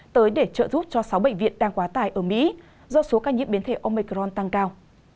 tới để trợ giúp cho sáu bệnh viện đang quá tải ở mỹ do số ca nhiễm biến thể omecron tăng cao